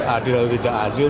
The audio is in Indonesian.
adil atau tidak adil